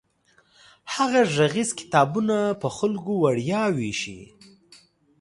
هغه غږیز کتابونه په خلکو وړیا ویشي.